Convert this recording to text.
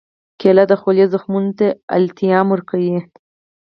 کېله د خولې زخمونو ته التیام ورکوي.